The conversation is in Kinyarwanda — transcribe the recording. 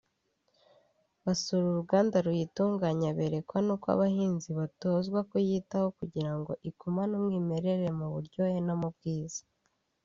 basura uruganda ruyitunganya berekwa n’uko bahinzi batozwa kuyitaho kugira ngo igumane umwimerere mu buryohe no mu bwiza